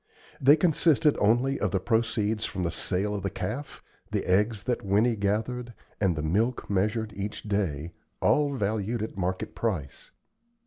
They consisted only of the proceeds from the sale of the calf, the eggs that Winnie gathered, and the milk measured each day, all valued at the market price.